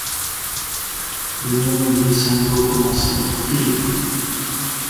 Le monde des sanglots commence a votre rire.